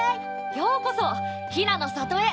ようこそひなのさとへ。